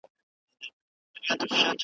ـ دا چې لاړه شي، د دواړو لپاره ښه ده